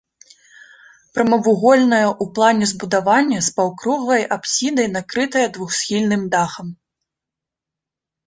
Прамавугольнае ў плане збудаванне з паўкруглай апсідай накрытае двухсхільным дахам.